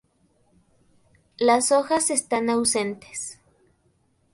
Las hojas están ausentes.